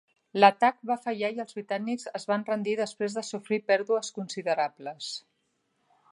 L'atac va fallar i els britànics es van rendir després de sofrir pèrdues considerables.